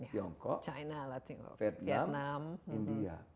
tiongkok vietnam india